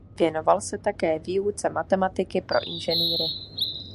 Věnoval se také výuce matematiky pro inženýry.